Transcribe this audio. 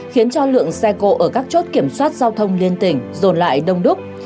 khiến cho lượng xe cộ ở các chốt kiểm soát giao thông liên tỉnh rồn lại đông đúc